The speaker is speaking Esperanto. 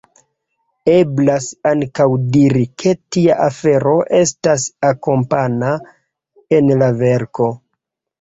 Eblas ankaŭ diri ke tia afero estas “akompana” en la verko.